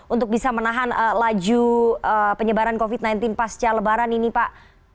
untuk bisa menahan laju penyebaran covid sembilan belas pasca lebaran ini pak